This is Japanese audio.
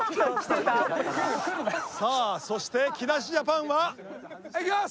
さあそして木梨ジャパンは。行きます！